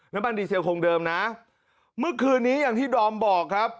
น้ำมันดีเซลคงเดิมนะเมื่อคืนนี้อย่างที่ดอมบอกครับ